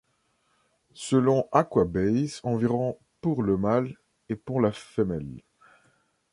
Selon Aquabase environ pour le mâle et pour la femelle.